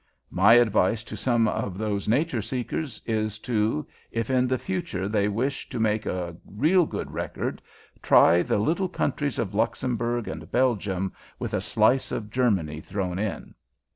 My advice to some of those nature seekers is to, if in the future they wish to make a real good record, try the little countries of Luxembourg and Belgium, with a slice of Germany thrown in.